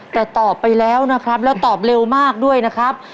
แต่ตอบไปแล้วนะครับแล้วตอบเร็วมากด้วยนะครับ